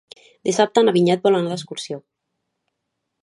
Dissabte na Vinyet vol anar d'excursió.